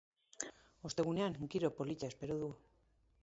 Ostegunean giro polita espero dugu.